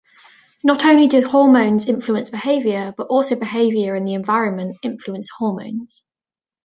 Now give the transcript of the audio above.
Not only do hormones influence behavior, but also behavior and the environment influence hormones.